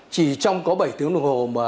chỉ trong có bảy tiếng đồng hồ